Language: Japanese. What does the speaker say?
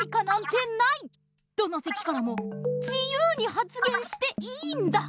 どのせきからも自ゆうにはつ言していいんだ！